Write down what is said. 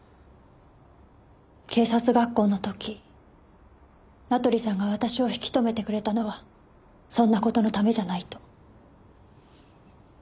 警察学校の時名取さんが私を引き留めてくれたのはそんな事のためじゃないと。